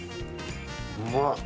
うまい！